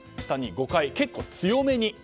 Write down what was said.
下に５回、結構強めに。